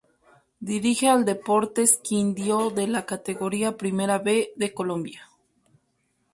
Dirige al Deportes Quindío de la Categoría Primera B de Colombia.